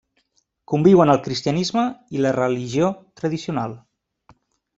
Conviuen el cristianisme i la religió tradicional.